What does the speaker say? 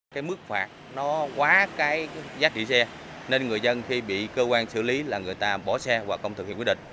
cái mức phạt nó quá cái giá trị xe nên người dân khi bị cơ quan xử lý là người ta bỏ xe hoặc không thực hiện quyết định